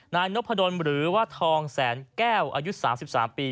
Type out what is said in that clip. นายนพดลหรือว่าทองแสนแก้วอายุ๓๓ปี